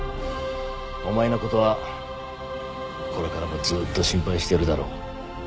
お前のことはこれからもずっと心配してるだろう。